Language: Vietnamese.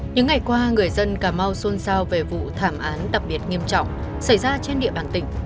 những ngày qua người dân cà mau xôn xao về vụ thảm án đặc biệt nghiêm trọng xảy ra trên địa bàn tỉnh